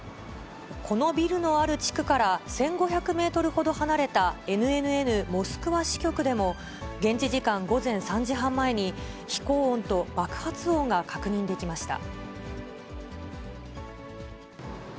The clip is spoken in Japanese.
このビルのある地区から１５００メートルほど離れたＮＮＮモスクワ支局でも、現地時間午前３時半前に、飛行音と爆発音が確認できました。